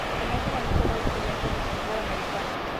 Además organizó varios eventos del fútbol americano.